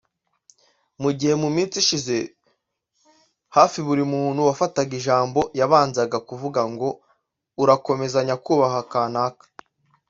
Mu gihe mu minsi ishize hafi buri muntu yafataga ijambo yabanzaga kuvuga ngo urakomeza nyakubahwa kanaka